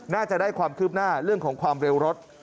น่าจะได้ความคืบหน้าเรื่องของความเร็วรถ